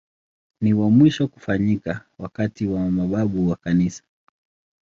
Ni wa mwisho kufanyika wakati wa mababu wa Kanisa.